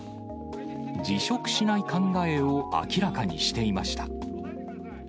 辞職しない考えを明らかにしていました。